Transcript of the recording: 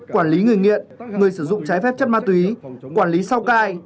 quản lý người nghiện người sử dụng trái phép chất ma túy quản lý sau cai